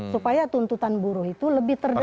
supaya tuntutan buruh itu lebih terdekat